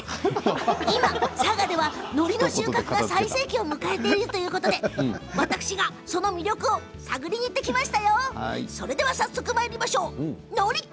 今、佐賀ではのりの収穫が最盛期を迎えてるということでその魅力を探りに行ってきました。